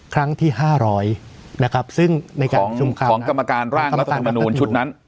ครั้งที่๕๐๐นะครับซึ่งในการประชุมคราวนั้นของกรรมการร่างรัฐมนุนชุดนั้น